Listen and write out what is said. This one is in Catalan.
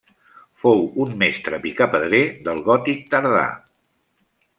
Fou un mestre picapedrer del gòtic tardà.